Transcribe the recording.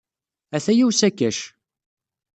Ataya usakac.